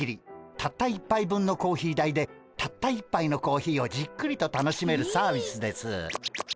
たった１杯分のコーヒー代でたった１杯のコーヒーをじっくりと楽しめるサービスです。